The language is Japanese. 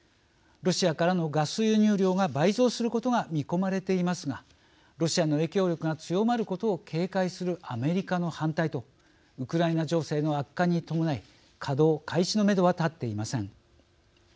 ロシアからのガス輸入量が倍増することが見込まれていますがロシアの影響力が強まることを警戒するアメリカの反対とウクライナ情勢の悪化に伴い稼働開始のめどは立っていません。